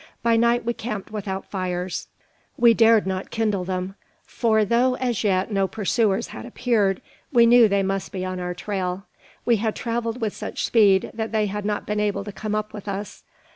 By night we camped without fires; we dared not kindle them; for though, as yet, no pursuers had appeared, we knew they must be on our trail. We had travelled with such speed that they had not been able to come up with us.